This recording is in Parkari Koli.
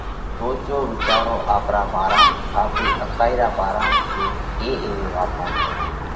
سوچو، وِيچارو آپرا ڀارام، آپرِي اڪائِي را ڀارام جي ڪي ايوي واتون سئہ